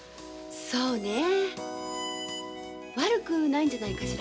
そうね悪くないんじゃないかしら。